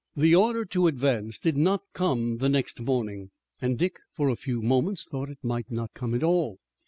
The order to advance did not come the next morning, and Dick, for a few moments, thought it might not come at all.